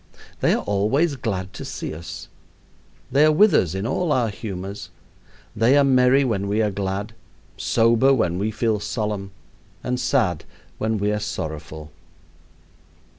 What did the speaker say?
They are always glad to see us. They are with us in all our humors. They are merry when we are glad, sober when we feel solemn, and sad when we are sorrowful.